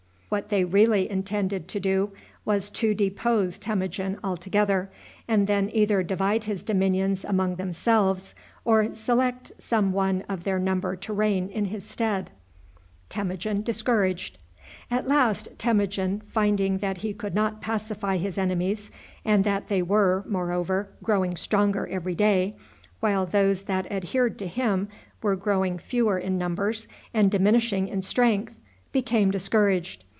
What they really intended to do was to depose Temujin altogether, and then either divide his dominions among themselves, or select some one of their number to reign in his stead. At last, Temujin, finding that he could not pacify his enemies, and that they were, moreover, growing stronger every day, while those that adhered to him were growing fewer in numbers and diminishing in strength, became discouraged.